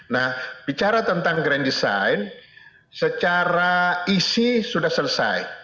nah bicara tentang grand design secara isi sudah selesai